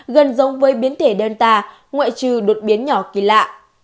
gần giống với biến thể delta ngoại trừ đột biến nhỏ kỳ lạ